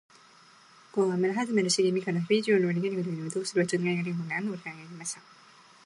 ごんは村はずれの茂みから兵十の家を見つめ、どうすれば償いができるのかと何度も考え続けていました。